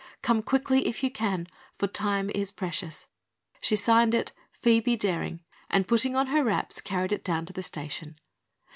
Come quickly, if you can, for time is precious." She signed this "Phoebe Daring" and putting on her wraps, carried it down to the station.